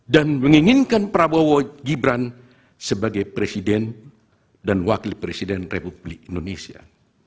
dan menginginkan prabowo gibran sebagai presiden dan wakil presiden republik indonesia